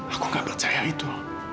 aku gak percaya itu